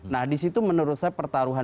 nah di situ menurut saya pertaruhan